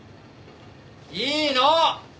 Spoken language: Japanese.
いいの！